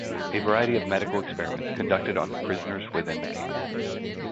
A variety of medical experiments conducted on the prisoners within the camp.